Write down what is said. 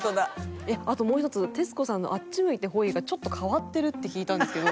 あともう一つ徹子さんのあっち向いてホイがちょっと変わってるって聞いたんですけど。